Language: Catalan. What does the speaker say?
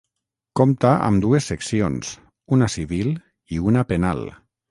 Compta amb dues seccions: una civil i una penal.